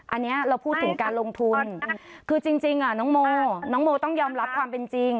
อันนี้เราพูดถึงการลงทุนคือจริงน้องโมน้องโมต้องยอมรับความเป็นจริง